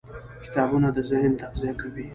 کتابونه د ذهن تغذیه کوي.